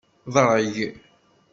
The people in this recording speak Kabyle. Ḍreg.